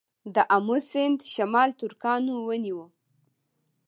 د امو سیند شمال ترکانو ونیو